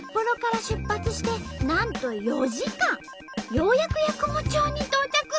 ようやく八雲町に到着。